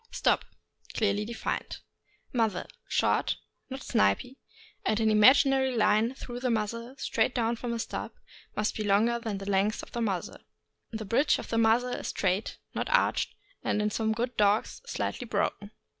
Stop. — Clearly defined. Muzzle. — Short, not snipy, and an imaginary line through the muzzle, straight down from the stop, must be longer than the length of the muzzle. The bridge of the muzzle is straight, not arched, and, in some good dogs, slightly broken.